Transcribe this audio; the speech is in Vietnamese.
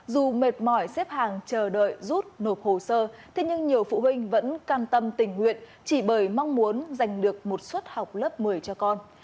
dù mệt mỏi xếp hàng chờ đợi rút nộp hồ sơ thế nhưng nhiều phụ huynh vẫn can tâm tình nguyện chỉ bởi mong muốn giành được một suất học lớp một mươi cho con